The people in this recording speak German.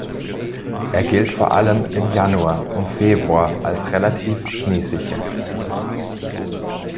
Er gilt vor allem im Januar und Februar als relativ schneesicher.